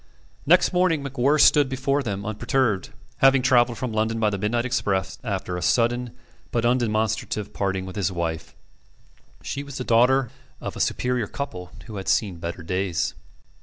Next morning MacWhirr stood before them unperturbed, having travelled from London by the midnight express after a sudden but undemonstrative parting with his wife. She was the daughter of a superior couple who had seen better days.